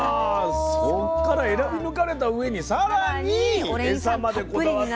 そっから選び抜かれたうえにさらにオレイン酸までこだわって。